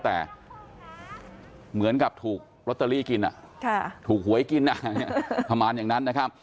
แต่เหมือนกับถูกลอตเตอรี่กินถูกหวยกินประมาณอย่างนั้นนะครับ